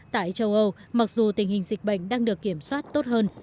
tại châu âu mặc dù tình hình dịch bệnh đang được kiểm soát tốt hơn